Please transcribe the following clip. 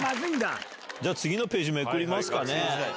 次のページめくりますかね。